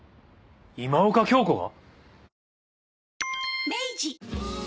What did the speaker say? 今岡鏡子が？